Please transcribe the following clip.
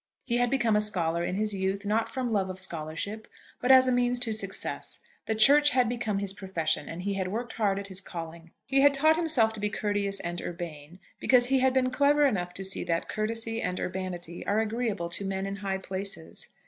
He had become a scholar in his youth, not from love of scholarship, but as a means to success. The Church had become his profession, and he had worked hard at his calling. He had taught himself to be courteous and urbane, because he had been clever enough to see that courtesy and urbanity are agreeable to men in high places.